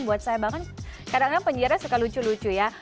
buat saya bahkan kadang kadang penyiarnya suka lucu lucu ya